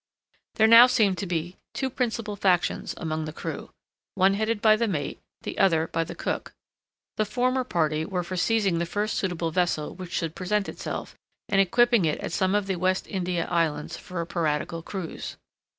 There now seemed to be two principal factions among the crew—one headed by the mate, the other by the cook. The former party were for seizing the first suitable vessel which should present itself, and equipping it at some of the West India Islands for a piratical cruise.